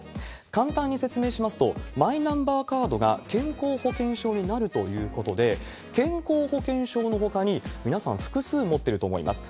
簡単に説明しますと、マイナンバーカードが健康保険証になるということで、健康保険証のほかに、皆さん、複数持ってると思います。